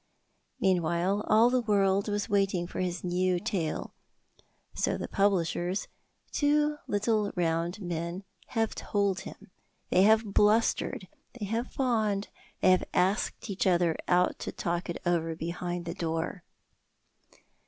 Meanwhile all the world was waiting for his new tale; so the publishers, two little round men, have told him. They have blustered, they have fawned, they have asked each other out to talk it over behind the door.